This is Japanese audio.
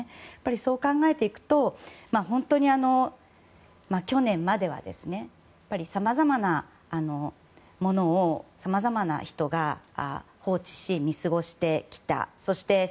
そう考えていくと本当に去年まではさまざまなものをさまざまな人が放置し、見過ごしてきた。